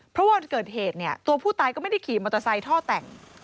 เพราะวันเกิดเหตุเนี่ยตัวผู้ตายก็ไม่ได้ขี่มอเตอร์ไซค์ท่อแต่ง